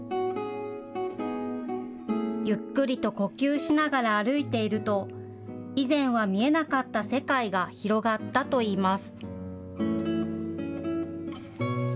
ゆっくりと呼吸しながら歩いていると以前は見えなかった世界が広がったといいます。